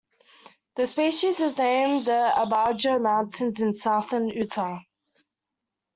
The species is named for the Abajo Mountains in southern Utah.